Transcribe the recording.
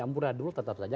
ampuradul tetap saja